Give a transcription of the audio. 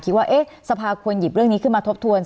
คิดว่าสภาควรหยิบเรื่องนี้ขึ้นมาทบทวน